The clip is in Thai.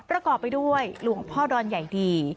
ประกอบไปด้วยหลวงพ่อดอนใหญ่ดี